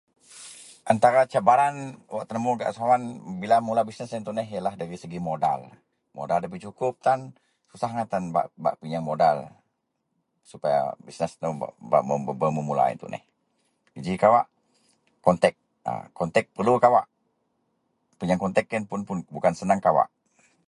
Antara cabaran wak tenemu gak usahawan bila mula bisnes yen tuneh yenlah dari segi modal. Modal ndabei sukup tan, susah angai tan bak-bak pinyeang modal supaya bisnes nou bak be me memula yen tuneh. Geji kawak kontek, a kontek perelu kawak. Pinyeang kontek yen bukan seneng kawak.